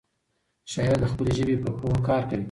شاعر د خپلې ژبې په پوهه کار کوي.